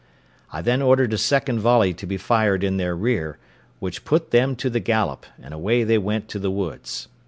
I then ordered a second volley to be fired in their rear, which put them to the gallop, and away they went to the woods.